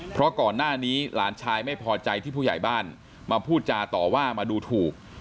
เพราะก่อนหน้านี้หลานชายไม่พอใจที่ผู้ใหญ่บ้านมาพูดจาต่อว่ามาดูถูก